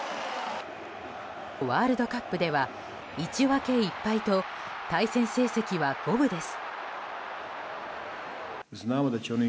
ワールドカップでは１分け１敗と対戦成績は五分です。